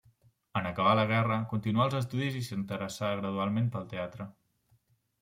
En acabar la guerra, continuà els estudis i s'interessà gradualment pel teatre.